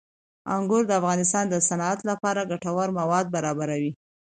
انګور د افغانستان د صنعت لپاره ګټور مواد برابروي.